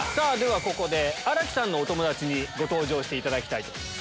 ここで新木さんのお友達にご登場していただきます。